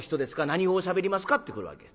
何語をしゃべりますか？」ってくるわけ。